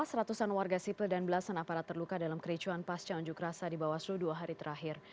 delapan orang tewas ratusan warga sipil dan belasan aparat terluka dalam kericuan pasca onjuk rasa di bawah seluruh dua hari terakhir